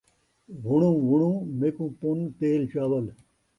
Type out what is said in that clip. وُݨوں وُݨوں ، میکوں پُن تیل چاول